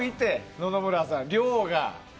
野々村さん、量が。